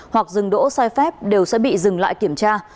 hoặc dừng đỗ sai phép đều sẽ bị dừng lại kiểm tra